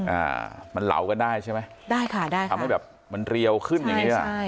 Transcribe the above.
อ่ามันเหลากันได้ใช่ไหมได้ค่ะได้ค่ะทำให้แบบมันเรียวขึ้นอย่างเงี้อ่ะใช่